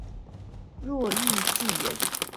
冯誉骥人。